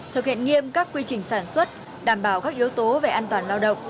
thực hiện nghiêm các quy trình sản xuất đảm bảo các yếu tố về an toàn lao động